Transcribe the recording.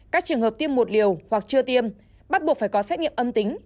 các trường hợp tiêm một liều hoặc chưa tiêm bắt buộc phải có xét nghiệm âm tính